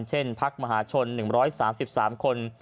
เช่นพักมหาชน๑๓๓คน